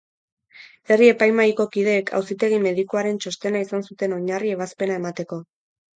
Herri-epaimahaiko kideek auzitegi-medikuaren txostena izan zuten oinarri ebazpena emateko.